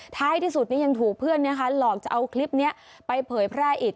ท้ายที่สุดยังถูกเพื่อนหลอกจะเอาคลิปนี้ไปเผยแพร่อีก